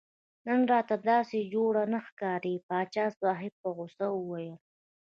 نن راته داسې جوړ نه ښکارې پاچا صاحب په غوسه وویل.